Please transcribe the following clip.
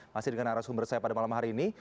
masih dengan arah sumber saya pada malam hari ini